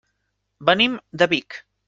Venim de Vic.